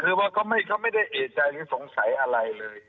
คือว่าเขาไม่ได้เอกใจหรือสงสัยอะไรเลย